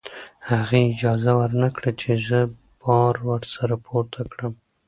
هغې اجازه ورنکړه چې زه بار ورسره پورته کړم.